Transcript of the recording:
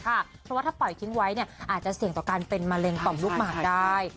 เพราะว่าถ้าปล่อยทิ้งไว้อาจจะเสี่ยงต่อการเป็นมะเร็งต่อมลูกหมากได้